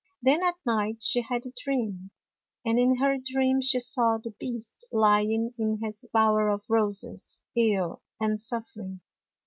Then, at night, she had a dream, and in her dream she saw the Beast lying in his bower of roses, ill and suffering.